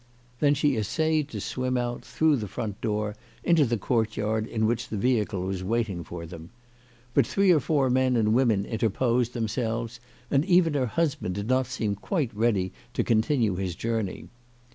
Then she essayed to swim out, through the front door, into the courtyard in which the vehicle was waiting for them. But three or four men and women interposed themselves, and even her husband did not seem quite ready to continue his journey.